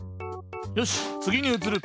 よしつぎにうつる。